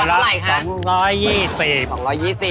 แล้วก็เท่าไหร่คะ